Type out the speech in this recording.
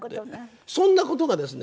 そんな事がですね